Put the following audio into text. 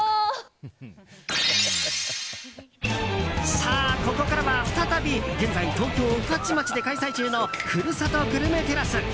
さあ、ここからは再び現在、東京・御徒町で開催中のふるさとグルメてらす。